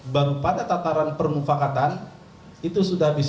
baru pada tataran permufakatan itu sudah bisa